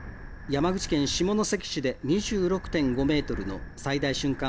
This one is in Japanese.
山口県下関市で２６．５メートルの最大瞬間